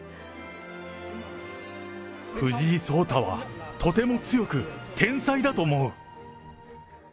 藤井聡太はとても強く、天才だと思う。